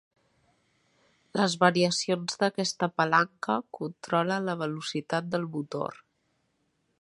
Les variacions d'aquesta palanca controlen la velocitat del motor.